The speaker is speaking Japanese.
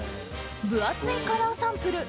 分厚いカラーサンプル。